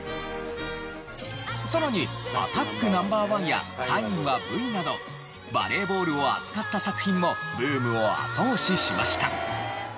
さらに『アタックＮｏ．１』や『サインはＶ！』などバレーボールを扱った作品もブームを後押ししました。